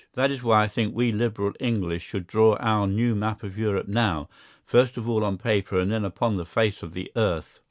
That is why I think we liberal English should draw our new map of Europe now, first of all on paper and then upon the face of the earth.